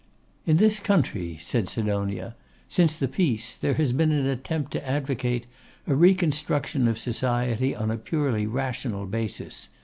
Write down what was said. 'In this country,' said Sidonia, 'since the peace, there has been an attempt to advocate a reconstruction of society on a purely rational basis.